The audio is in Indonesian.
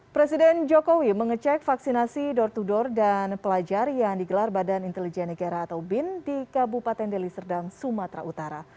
presiden jokowi mengecek vaksinasi door to door dan pelajar yang digelar badan intelijen negara atau bin di kabupaten deli serdang sumatera utara